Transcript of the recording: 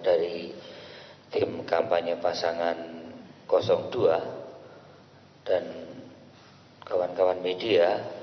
dari tim kampanye pasangan dua dan kawan kawan media